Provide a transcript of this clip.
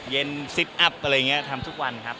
ซิกอัพอะไรอย่างนี้ทำทุกวันครับ